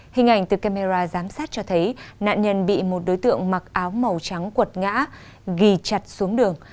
hình ảnh từ camera giám sát cho thấy nạn nhân bị một đối tượng mặc áo màu trắng cuột ngã gì chặt xuống đường